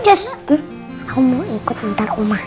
jess kamu mau ikut ntar uma